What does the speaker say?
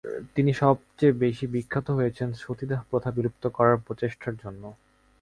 তিনি সবচেয়ে বেশি বিখ্যাত হয়েছেন সতীদাহ প্রথা বিলুপ্ত করার প্রচেষ্টার জন্য।